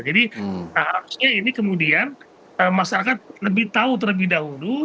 jadi harusnya ini kemudian masyarakat lebih tahu terlebih dahulu